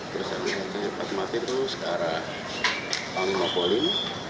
terus dari jalan sudirman patung kuda ke arah panglima polim